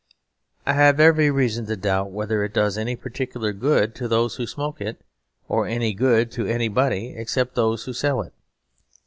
I have every reason to doubt whether it does any particular good to those who smoke it, or any good to anybody except those who sell it.